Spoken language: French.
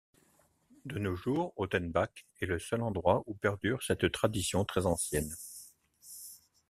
De nos jours, Ottenbach est le seul endroit où perdure cette tradition très ancienne.